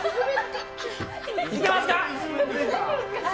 いけますか？